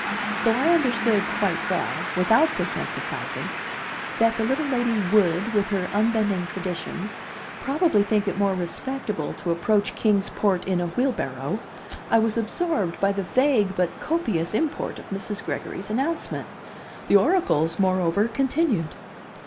Though I understood quite well, without this emphasizing, that the little lady would, with her unbending traditions, probably think it more respectable to approach Kings Port in a wheelbarrow, I was absorbed by the vague but copious import of Mrs. Gregory's announcement. The oracles, moreover, continued.